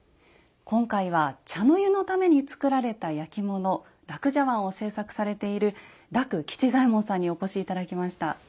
今回は茶の湯のために作られた焼き物樂茶碗を制作されている樂吉左衞門さんにお越し頂きました。